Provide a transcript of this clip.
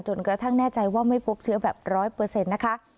จนกระทั่งแน่ใจว่าไม่พบเชื้อแบบร้อยเปอร์เซ็นต์นะคะ